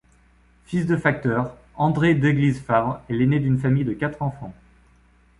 Fils de facteur, André Déglise-Favre est l'aîné d'une famille de quatre enfants.